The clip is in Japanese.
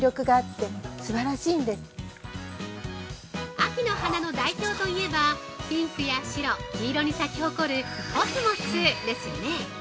◆秋の花の代表といえばピンクや白、黄色に咲き誇る「コスモス」ですよね！